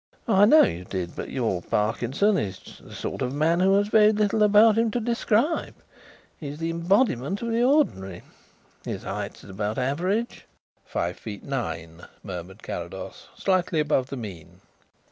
"I know you did, but your Parkinson is the sort of man who has very little about him to describe. He is the embodiment of the ordinary. His height is about average " "Five feet nine," murmured Carrados. "Slightly above the mean."